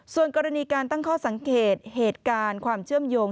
ส่วนกรณีการตั้งข้อสังเกตเหตุการณ์ความเชื่อมโยง